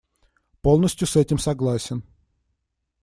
Полностью с этим согласен.